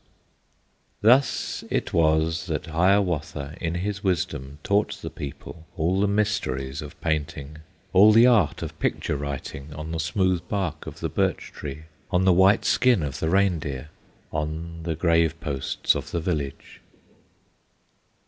Thus it was that Hiawatha, In his wisdom, taught the people All the mysteries of painting, All the art of Picture Writing, On the smooth bark of the birch tree, On the white skin of the reindeer, On the grave posts of the village.